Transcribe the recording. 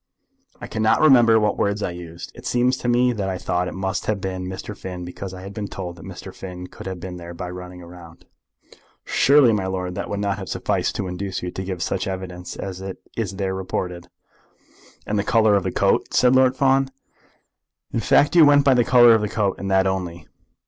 "I cannot remember what words I used. It seems to me that I thought it must have been Mr. Finn because I had been told that Mr. Finn could have been there by running round." "Surely, my lord, that would not have sufficed to induce you to give such evidence as is there reported?" "And the colour of the coat," said Lord Fawn. "In fact you went by the colour of the coat, and that only?"